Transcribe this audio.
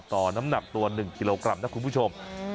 น้ำหนักตัว๑กิโลกรัมนะคุณผู้ชม